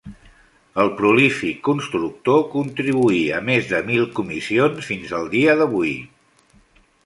El prolífic constructor contribuir a més de mil comissions fins el dia d'avui.